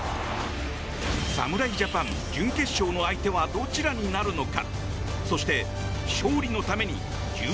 侍ジャパン、準決勝の相手はどちらになるのか。